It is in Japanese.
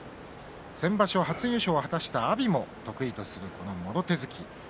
先場所、初優勝を果たした阿炎も得意とするこのもろ手突き。